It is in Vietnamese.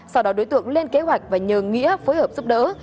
sau đó đối tượng lên kế hoạch và nhờ nghĩa phối hợp giúp đỡ